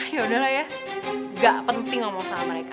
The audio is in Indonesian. ya udahlah ya gak penting ngomong sama mereka